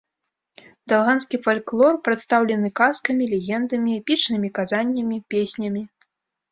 Далганскі фальклор прадстаўлены казкамі, легендамі, эпічнымі казаннямі, песнямі.